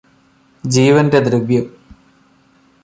ജീവന്റെ ദ്രവ്യം